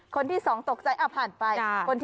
คนที่๒ตกใจผ่านไป